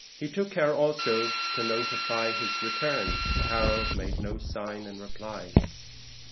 He took care also to notify his return; but Harold made no sign in reply.